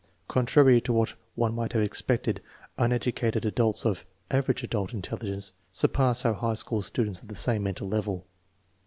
Contrary to what one would have ex pected, uneducated adults of " average adult " intelligence surpassed our high school students of the same mental level.